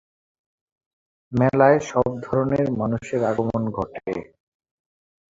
মেলায় সব ধরনের মানুষের আগমন ঘটে।